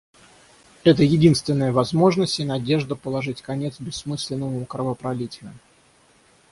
Это единственная возможность и надежда положить конец бессмысленному кровопролитию.